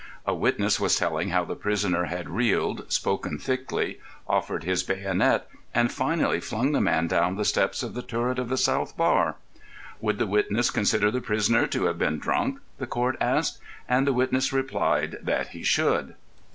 A witness was telling how the prisoner had reeled, spoken thickly, offered his bayonet, and finally flung the man down the steps of the turret of the South Bar. Would the witness consider the prisoner to have been drunk? the Court asked, and the witness replied that he should.